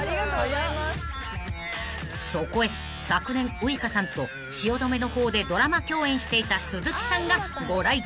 ［そこへ昨年ウイカさんと汐留の方でドラマ共演していた］